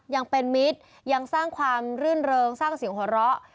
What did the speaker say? ยังเป็นมิตรยังสร้างความรื่นเริงสร้างเสียงหัวเราะ